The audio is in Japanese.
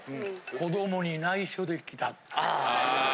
子どもに内緒で来たって。